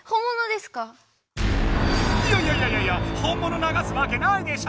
いやいやいやいや本物ながすわけないでしょ！